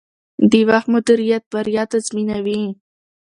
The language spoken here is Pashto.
د وخت مدیریت بریا تضمینوي.